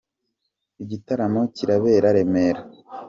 Igitaramo kirabera Remera.